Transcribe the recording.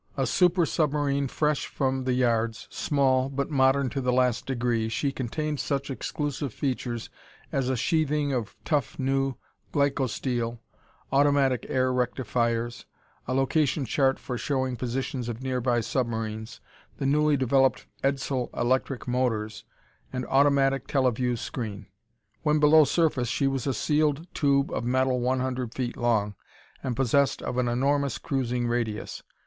A super submarine fresh from the yards, small, but modern to the last degree, she contained such exclusive features as a sheathing of the tough new glycosteel, automatic air rectifiers, a location chart for showing positions of nearby submarines, the newly developed Edsel electric motors, and automatic teleview screen. When below surface she was a sealed tube of metal one hundred feet long, and possessed of an enormous cruising radius.